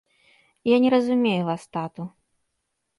Я не разумею вас, тату.